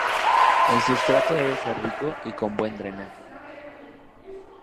El sustrato debe ser rico y con buen drenaje.